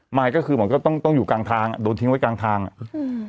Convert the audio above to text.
ยก็คือเหมือนก็ต้องต้องอยู่กลางทางอ่ะโดนทิ้งไว้กลางทางอ่ะอืม